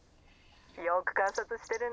☎よく観察してるね。